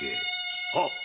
はっ！